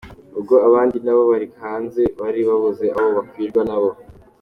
Ubwo abandi nabo bari hanze bari babuze aho bakwirwa nabo.